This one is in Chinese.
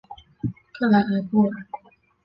克莱埃布尔。